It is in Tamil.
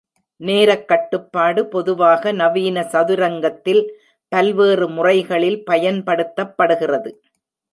நேரக் கட்டுப்பாடு பொதுவாக நவீன சதுரங்கத்தில் பல்வேறு முறைகளில் பயன்படுத்தப்படுகிறது.